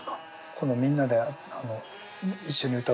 このみんなで一緒に歌うってことは。